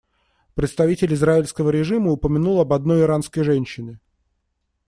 Представитель израильского режима упомянул об одной иранской женщине.